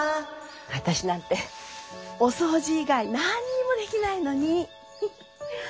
私なんてお掃除以外何にもできないのに。